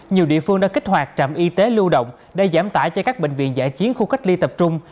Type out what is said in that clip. nhiều địa phương đã kích hoạt trạm y tế lưu động để giảm tải cho các bệnh viện giải chiến khu cách ly tập trung